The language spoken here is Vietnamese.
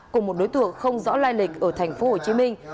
của một đối tượng không rõ lai lịch ở tp hồ chí minh